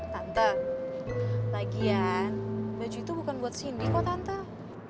tante lagian baju itu bukan buat sindi kok tante